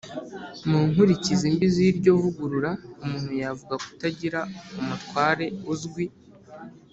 mu nkurikizi mbi z'iryo vugurura, umuntu yavuga kutagira umutware uzwi